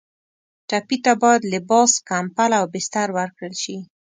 ټپي ته باید لباس، کمپله او بستر ورکړل شي.